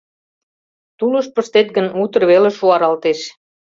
Тулыш пыштет гын, утыр веле шуаралтеш.